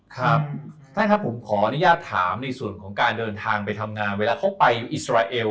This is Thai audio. ครับท่านครับผมขออนุญาตถามในส่วนของการเดินทางไปทำงานเวลาเขาไปอิสราเอล